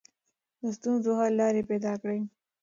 د ستونزو حل لارې پیدا کړئ.